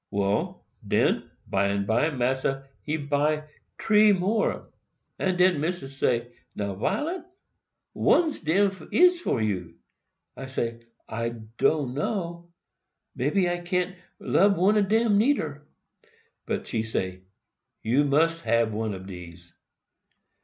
Well, den, by and by, Massa he buy tree more, and den Missis say, 'Now, Violet, ones dem is for you.' I say, 'I do'no—maybe I can't lub one dem neider;' but she say, 'You must hab one ob dese.